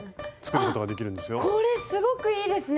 これすごくいいですね！